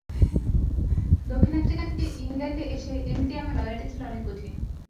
দক্ষিণ আফ্রিকা থেকে ইংল্যান্ডে এসে এমনিতেই আমার লড়াইটা ছিল অনেক কঠিন।